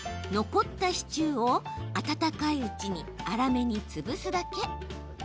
残ったシチューを温かいうちに粗めに潰すだけ。